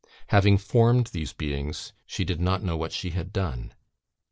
Having formed these beings, she did not know what she had done.